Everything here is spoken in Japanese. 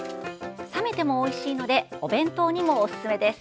冷めてもおいしいのでお弁当にもおすすめです。